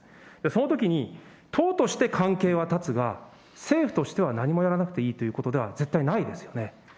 そのときに党として関係は断つが、政府としては何もやらなくていいということでは絶対ないですよね。